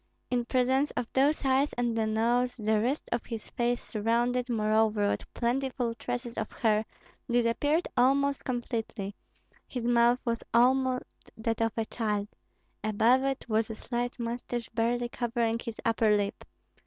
In presence of those eyes and the nose, the rest of his face, surrounded, moreover, with plentiful tresses of hair, disappeared almost completely; his mouth was almost that of a child; above it was a slight mustache barely covering his upper lip.